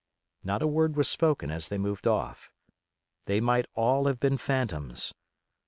Not a word was spoken as they moved off. They might all have been phantoms.